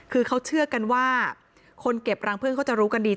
คือเขาเชื่อกันว่าคนเก็บรังพึ่งเขาจะรู้กันดี